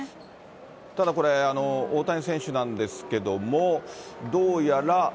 ただこれ、大谷選手なんですけども、どうやら。